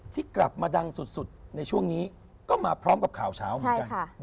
ที่กลับมาดังสุดในช่วงนี้ก็มาพร้อมกับข่าวเช้าเหมือนกัน